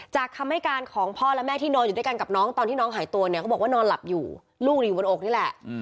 คำให้การของพ่อและแม่ที่นอนอยู่ด้วยกันกับน้องตอนที่น้องหายตัวเนี่ยเขาบอกว่านอนหลับอยู่ลูกอยู่บนอกนี่แหละ